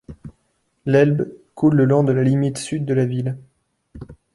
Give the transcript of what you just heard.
L'Elbe coule le long de la limite sud de la ville.